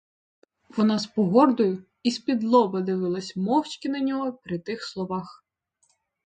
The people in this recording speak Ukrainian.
Вона з погордою і спідлоба дивилась мовчки на нього при тих словах.